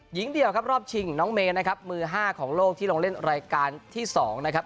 หญิงเดียวครับรอบชิงน้องเมย์นะครับมือห้าของโลกที่ลงเล่นรายการที่๒นะครับ